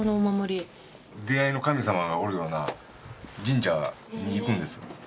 出会いの神様がおるような神社に行くんです。